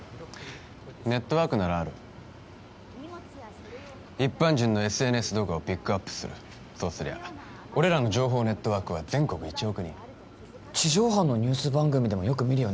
ネットワークならある一般人のＳＮＳ動画をピックアップするそうすりゃ俺らの情報ネットワークは全国１億人地上波のニュース番組でもよく見るよね